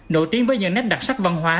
nổi tiếng với những nét đặc sắc văn hóa